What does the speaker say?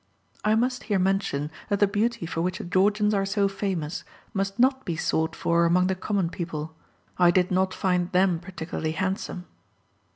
I must here mention that the beauty for which the Georgians are so famous must not be sought for among the common people. I did not find them particularly handsome.